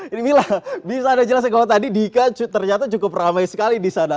ini mila bisa anda jelaskan kalau tadi dika ternyata cukup ramai sekali di sana